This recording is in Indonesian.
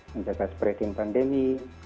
menjaga spreading pandemi